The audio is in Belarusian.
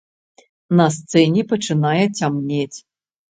На сцэне пачынае цямнець.